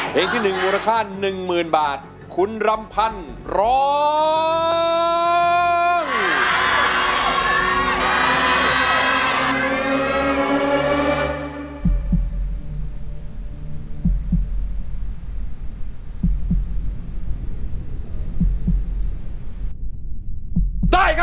ที่๑มูลค่า๑๐๐๐บาทคุณรำพันธ์ร้อง